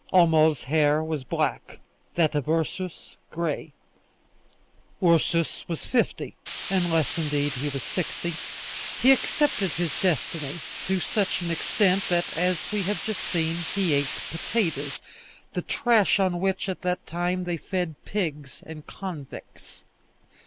Homo's hair was black, that of Ursus, gray; Ursus was fifty, unless, indeed, he was sixty. He accepted his destiny, to such an extent that, as we have just seen, he ate potatoes, the trash on which at that time they fed pigs and convicts.